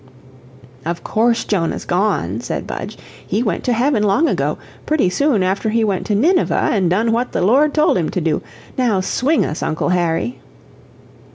"Of COURSE Jonah's gone," said Budge, "he went to heaven long ago pretty soon after he went to Nineveh an' done what the Lord told him to do. Now swing us, Uncle Harry."